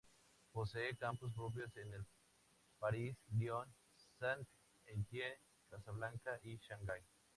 Posee campus propios en París, Lyon, Saint-Étienne, Casablanca y Shanghái.